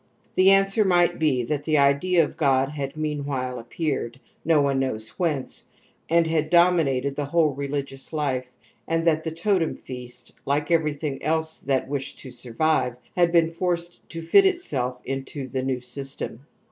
The answer might be that the idea of god had meanwhile appeared^ — no one knows whence — and had dominated the whole reUgious Ufe, and that the totem feast, like everything else that wished to survive, had been forced to fit itself into the new system.